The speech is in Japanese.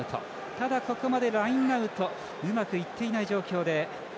ただ、ラインアウトうまくいっていない状況で。